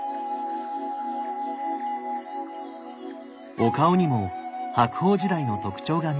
お顔にも白鳳時代の特徴が見られます。